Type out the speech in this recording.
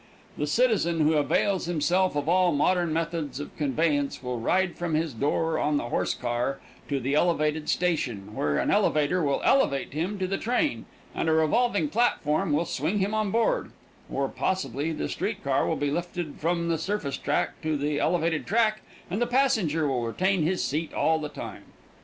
The citizen who avails himself of all modern methods of conveyance will ride from his door on the horse car to the elevated station, where an elevator will elevate him to the train and a revolving platform will swing him on board, or possibly the street car will be lifted from the surface track to the elevated track, and the passenger will retain his seat all the time.